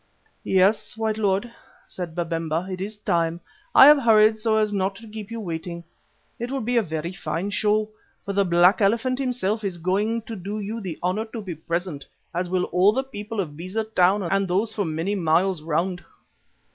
"Yes, white lord," said Babemba, "it is time, and I have hurried so as not to keep you waiting. It will be a very fine show, for the 'Black Elephant' himself is going to do you the honour to be present, as will all the people of Beza Town and those for many miles round."